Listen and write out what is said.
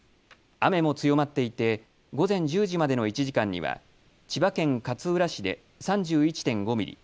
雨も強まっていて午前１０時までの１時間までには千葉県勝浦市で３１．５ミリ